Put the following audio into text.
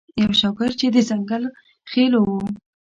یو شاګرد چې د ځنګل خیلو و.